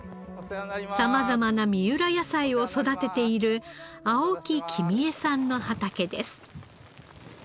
様々な三浦野菜を育てている青木紀美江さんの畑です。